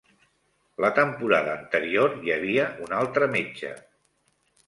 La temporada anterior hi havia un altre metge.